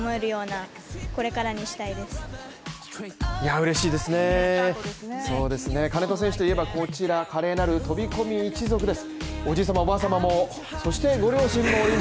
うれしいですね、金戸選手といえば、華麗なる飛び込み一族です。